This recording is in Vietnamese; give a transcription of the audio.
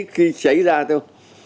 người ta thôi